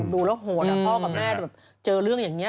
ดูแล้วโหดพ่อกับแม่แบบเจอเรื่องอย่างนี้